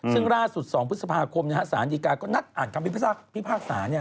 ซึ่งล่าสุด๒พฤษภาคมสารดีกาก็นัดอ่านคำพิพากษา